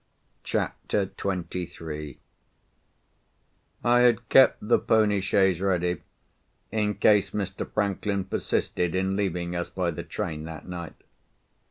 CHAPTER XXIII I had kept the pony chaise ready, in case Mr. Franklin persisted in leaving us by the train that night.